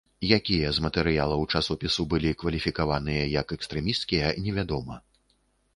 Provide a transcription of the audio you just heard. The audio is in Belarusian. Якія з матэрыялаў часопісу былі кваліфікаваныя як экстрэмісцкія, невядома.